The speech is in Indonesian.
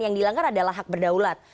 yang dilanggar adalah hak berdaulat